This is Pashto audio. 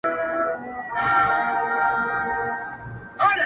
د رنګینۍ په بېلتانه کي مرمه -